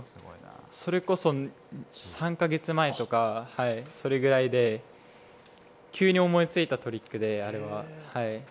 それこそ、３か月前とかそれぐらいであれは急に思いついたトリックで。